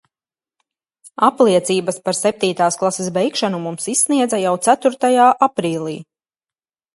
Apliecības par septītās klases beigšanu mums izsniedza jau ceturtajā aprīlī.